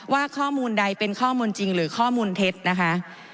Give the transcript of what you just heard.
ว่าข้อมูลใดเป็นข้อมูลจริงหรือข้อมูลเท็จนะคะ